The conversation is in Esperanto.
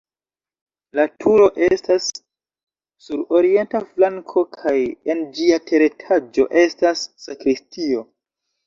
La turo estas sur orienta flanko kaj en ĝia teretaĝo estas sakristio.